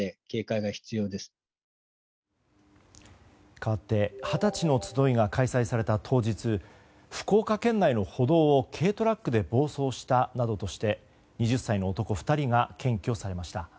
かわってはたちの集いが開催された当日福岡県内の歩道を軽トラックで暴走したなどとして２０歳の男２人が検挙されました。